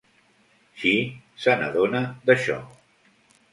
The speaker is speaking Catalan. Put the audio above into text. Chee se n'adona, d'això.